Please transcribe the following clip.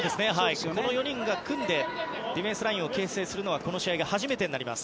この４人が組んでディフェンスラインを形成するのはこの試合が初めてになります。